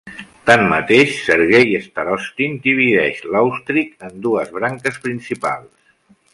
Tanmateix, Sergei Starostin divideix l'àustric en dues branques principals.